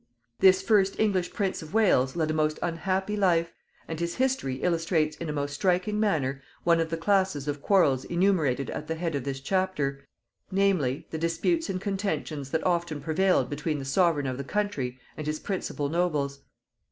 ] This first English Prince of Wales led a most unhappy life, and his history illustrates in a most striking manner one of the classes of quarrels enumerated at the head of this chapter, namely, the disputes and contentions that often prevailed between the sovereign of the country and his principal nobles.